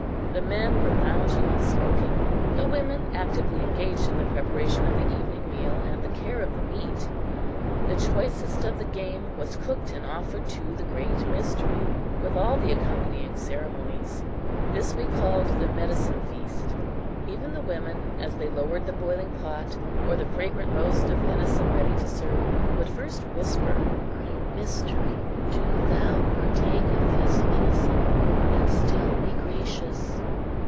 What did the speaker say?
The men were lounging and smoking; the women actively engaged in the preparation of the evening meal, and the care of the meat. The choicest of the game was cooked and offered to the Great Mystery, with all the accompanying ceremonies. This we called the "medicine feast." Even the women, as they lowered the boiling pot, or the fragrant roast of venison ready to serve, would first whisper: "Great Mystery, do thou partake of this venison, and still be gracious!"